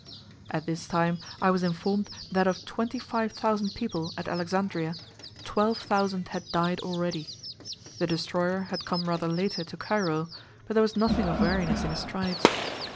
At this time I was informed that of twenty five thousand people at Alexandria, twelve thousand had died already; the destroyer had come rather later to Cairo, but there was nothing of weariness in his strides.